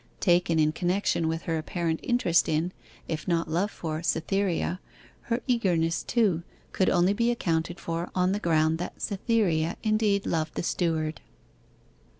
Taken in connection with her apparent interest in, if not love for, Cytherea, her eagerness, too, could only be accounted for on the ground that Cytherea indeed loved the steward.